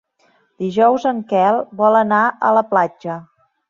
Dijous en Quel vol anar a la platja.